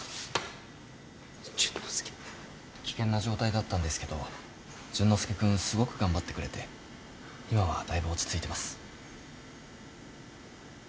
危険な状態だったんですけど淳之介君すごく頑張ってくれて今はだいぶ落ち着いてます。